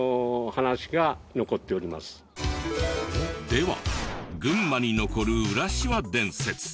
では群馬に残る浦島伝説